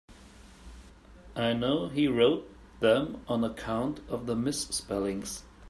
I know he wrote them on account of the misspellings.